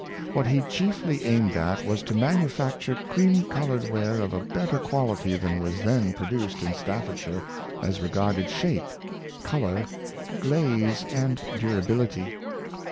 What he chiefly aimed at was to manufacture cream colored ware of a better quality than was then produced in Staffordshire as regarded shape, color, glaze, and durability.